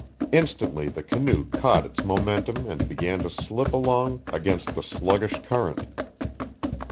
Instantly the canoe caught its momentum and began to slip along against the sluggish current.